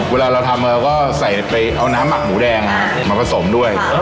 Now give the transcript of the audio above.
เวลาเราทำเราก็ใส่ไปเอาน้ำหมักหมูแดงมาผสมด้วย